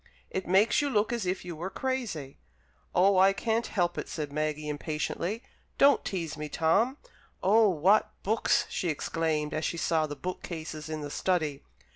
"It makes you look as if you were crazy." "Oh, I can't help it," said Maggie, impatiently. "Don't tease me, Tom. Oh, what books!" she exclaimed, as she saw the book cases in the study.